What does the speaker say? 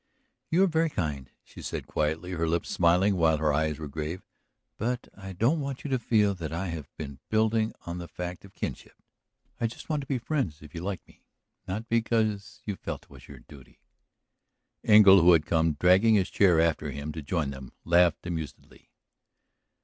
"You are very kind," she said quietly, her lips smiling while her eyes were grave. "But I don't want you to feel that I have been building on the fact of kinship; I just wanted to be friends if you liked me, not because you felt it your duty. ..." Engle, who had come, dragging his chair after him, to join them, laughed amusedly.